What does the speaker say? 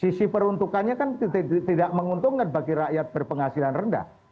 sisi peruntukannya kan tidak menguntungkan bagi rakyat berpenghasilan rendah